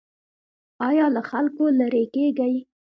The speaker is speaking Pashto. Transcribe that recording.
ایا له خلکو لرې کیږئ؟